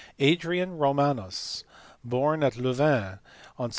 Adrian Romanus, born at Louvain on Sept.